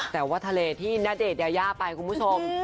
แต่ว่าทะเลที่ณเดชน์ยายาไปคุณผู้ชม